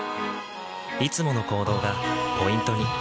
いつもの行動がポイントに。